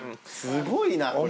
すごいなこれ。